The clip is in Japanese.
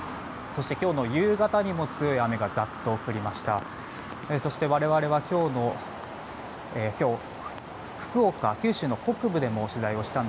そして今日の夕方にも強い雨がザっと降りました。